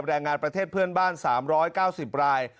แรงงานประเทศเพื่อนบ้าน๓๙๐ราย